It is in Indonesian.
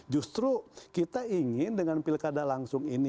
justru kita ingin dengan pilkada langsung ini